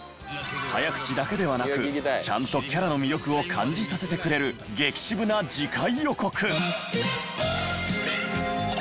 早口だけではなくちゃんとキャラの魅力を感じさせてくれる激渋な次回予告。